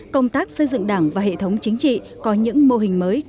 công tác xây dựng đảng và hệ thống chính trị có những mô hình mới